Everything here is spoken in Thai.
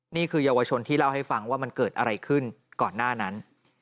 นี่คือเยาวชนที่เล่าให้ฟังว่ามันเกิดอะไรขึ้นก่อนหน้านั้น